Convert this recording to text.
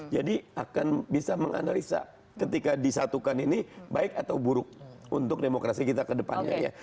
jadi akan bisa menganalisa ketika disatukan ini baik atau buruk untuk demokrasi kita kedepannya ya